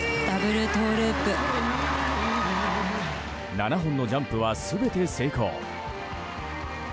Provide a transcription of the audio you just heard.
７本のジャンプは全て成功。